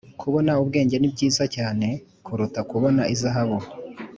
kubona ubwenge ni byiza cyane kuruta kubona izahabu